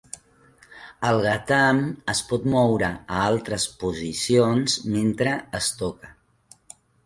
El ghatam es pot moure a altres posicions mentre es toca.